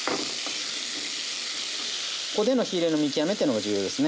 ここでの火入れの見極めというのが重要ですね。